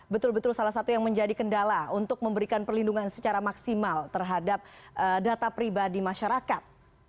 betul betul salah satu yang menjadi kendala untuk memberikan perlindungan secara maksimal terhadap data pribadi masyarakat